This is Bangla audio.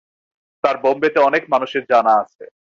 তার বোম্বেতে অনেক মানুষদের জানা আছে।